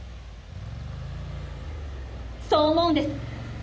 そう思うんです。